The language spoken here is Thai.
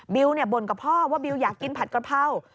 บ่นกับพ่อว่าบิวอยากกินผัดกระเพรา